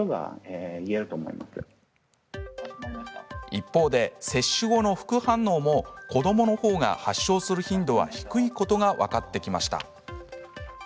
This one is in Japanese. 一方で接種後の副反応も子どものほうが発症する頻度は低いことが分かってきました。